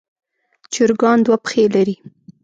چرګان دوه پښې لري.